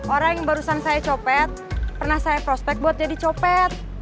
orang yang barusan saya copet pernah saya prospek buat jadi copet